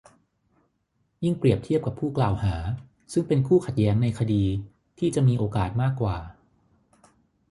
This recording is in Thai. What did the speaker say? ยิ่งเปรียบเทียบกับผู้กล่าวหา ซึ่งเป็นคู่ขัดแย้งในคดี ที่จะมีโอกาสมากกว่า